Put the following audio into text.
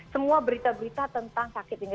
semua berita berita tentang sakit ini